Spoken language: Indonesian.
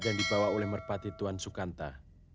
yang dibawa oleh merpati tuan sukanta